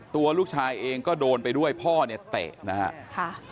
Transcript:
ตัวลูกชายเองก็โดนไปด้วยพ่อเนี่ยเตะนะครับ